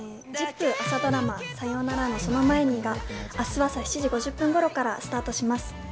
『ＺＩＰ！』朝ドラマ『サヨウナラのその前に』が明日朝７時５０分頃からスタートします。